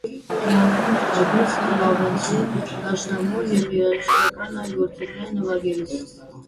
Կիրառվում է տավիղ, կլավեսին, դաշնամուր և երաժշտական այլ գործիքներ նվագելիս։